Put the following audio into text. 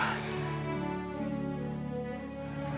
sekarang aku harus pergi